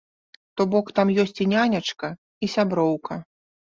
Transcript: То бок, там ёсць і нянечка, і сяброўка.